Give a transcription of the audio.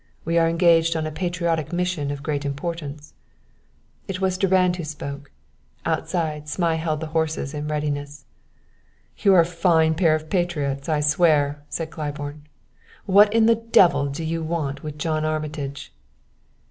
We are engaged on a patriotic mission of great importance." It was Durand who spoke. Outside, Zmai held the horses in readiness. "You are a fine pair of patriots, I swear," said Claiborne. "What in the devil do you want with John Armitage?"